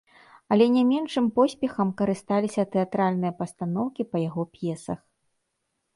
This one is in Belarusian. Але не меншым поспехам карысталіся тэатральныя пастаноўкі па яго п'есах.